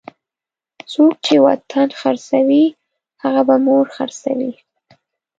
څوک چې وطن خرڅوي هغه به مور خرڅوي.